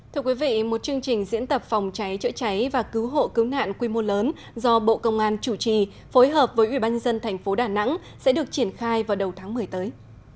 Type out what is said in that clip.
thưa quý vị một chương trình diễn tập phòng cháy chữa cháy và cứu hộ cứu nạn quy mô lớn do bộ công an chủ trì phối hợp với ubnd tp đà nẵng sẽ được triển khai vào đầu tháng một mươi tới